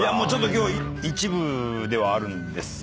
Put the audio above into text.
今日一部ではあるんですが。